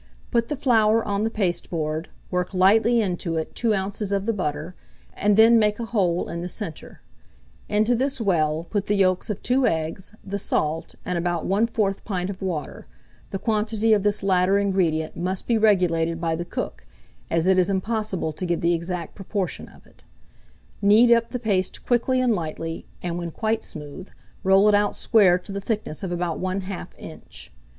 Put the flour on the paste board, work lightly into it 2 oz. of the butter, and then make a hole in the centre; into this well put the yolks of 2 eggs, the salt, and about 1/4 pint of water (the quantity of this latter ingredient must be regulated by the cook, as it is impossible to give the exact proportion of it); knead up the paste quickly and lightly, and, when quite smooth, roll it out square to the thickness of about 1/2 inch.